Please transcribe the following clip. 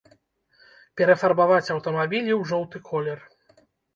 Перафарбаваць аўтамабілі ў жоўты колер.